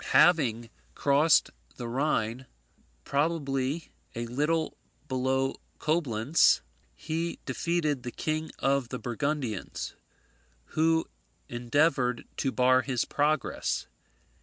Having crossed the Rhine, probably a little below Coblentz, he defeated the King of the Burgundians, who endeavoured to bar his progress.